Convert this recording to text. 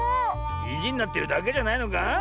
いじになってるだけじゃないのか？